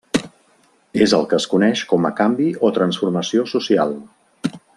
És el que es coneix com a canvi o transformació social.